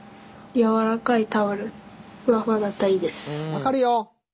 分かるよ！